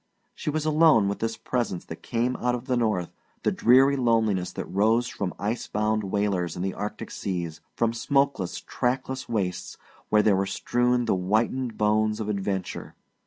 She was alone with this presence that came out of the North, the dreary loneliness that rose from ice bound whalers in the Arctic seas, from smokeless, trackless wastes where were strewn the whitened bones of adventure.